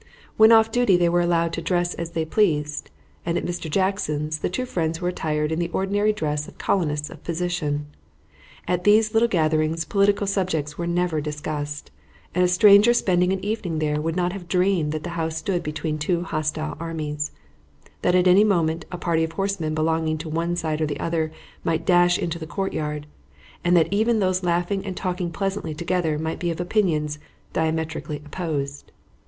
When off duty they were allowed to dress as they pleased, and at Mr. Jackson's the two friends were attired in the ordinary dress of colonists of position. At these little gatherings political subjects were never discussed, and a stranger spending an evening there would not have dreamed that the house stood between two hostile armies; that at any moment a party of horsemen belonging to one side or other might dash into the courtyard, and that even those laughing and talking pleasantly together might be of opinions diametrically opposed.